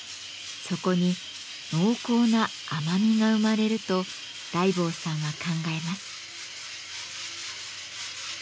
そこに濃厚な甘みが生まれると大坊さんは考えます。